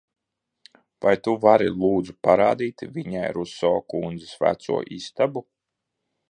Vai tu vari lūdzu parādīt viņai Ruso kundzes veco istabu?